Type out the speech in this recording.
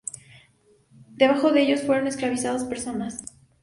Debajo de ellos fueron esclavizados personas.